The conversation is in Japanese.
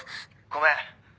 「ごめん。